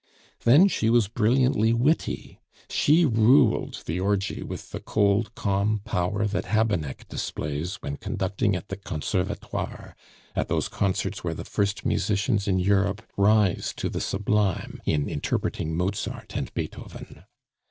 Then she was brilliantly witty. She ruled the orgy with the cold, calm power that Habeneck displays when conducting at the Conservatoire, at those concerts where the first musicians in Europe rise to the sublime in interpreting Mozart and Beethoven.